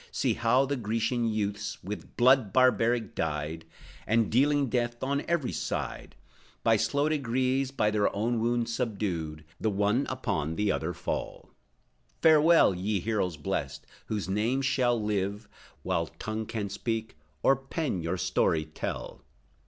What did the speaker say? See, how the Grecian youths, With blood barbaric dyed, And dealing death on every side, By slow degrees by their own wounds subdued, The one upon the other fall. Farewell, Ye heroes blessed, whose names shall live, While tongue can speak, or pen your story tell!